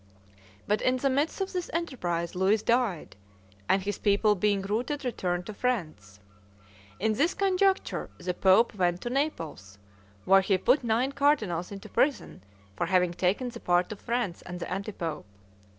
But in the midst of this enterprise Louis died, and his people being routed returned to France. In this conjuncture the pope went to Naples, where he put nine cardinals into prison for having taken the part of France and the anti pope.